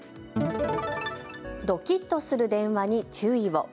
ドキッとする電話に注意を。